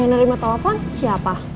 yang nerima telepon siapa